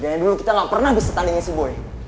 dan yang dulu kita gak pernah bisa tandingin si boy